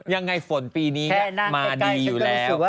ยังไงฝนปีนี้มาดีอยู่แล้ว